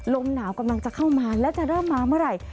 ลมหนาวกำลังจะเข้ามาและจะเริ่มมาเมื่อไหร่